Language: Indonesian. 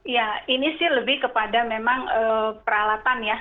ya ini sih lebih kepada memang peralatan ya